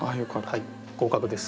はい合格です！